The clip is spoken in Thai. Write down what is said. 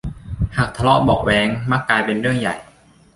หากทะเลาะเบาะแว้งมักกลายเป็นเรื่องใหญ่